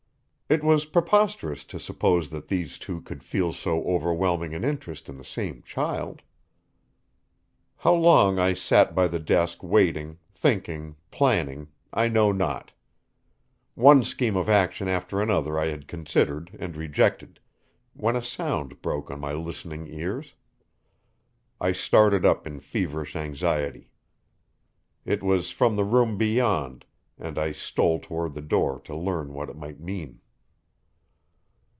It was preposterous to suppose that these two could feel so overwhelming an interest in the same child. How long I sat by the desk waiting, thinking, planning, I know not. One scheme of action after another I had considered and rejected, when a sound broke on my listening ears. I started up in feverish anxiety. It was from the room beyond, and I stole toward the door to learn what it might mean.